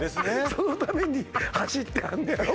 そのために走ってはんねやろ？